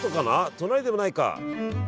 隣でもないか。